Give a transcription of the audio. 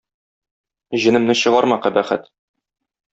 Җенемне чыгарма, кабәхәт!